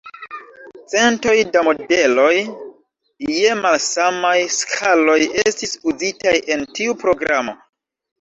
Centoj da modeloj je malsamaj skaloj estis uzitaj en tiu programo.